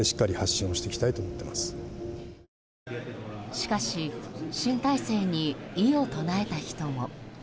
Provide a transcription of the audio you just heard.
しかし新体制に異を唱えた人も。